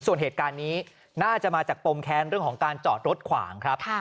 ส่วนเหตุการณ์นี้น่าจะมาจากปมแค้นเรื่องของการจอดรถขวางครับ